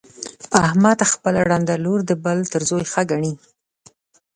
احمد خپله ړنده لور د بل تر زوی ښه ګڼي.